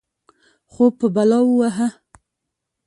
خوب په بلا ووهه.